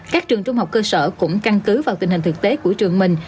các trường trung học cơ sở cũng căn cứ vào tình hình thực tế của trường mình